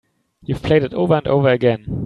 You've played it over and over again.